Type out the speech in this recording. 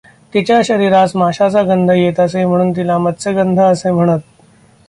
तिच्या शरिरास माशांचा गंध येत असे म्हणून तिला मत्स्यगंधा असे म्हणत.